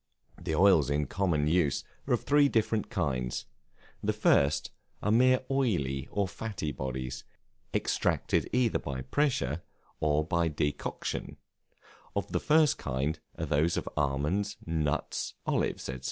The oils in common use are of three different kinds. The first are mere oily or fatty bodies, extracted either by pressure, or by decoction: of the first kind are those of almonds, nuts, olives, &c.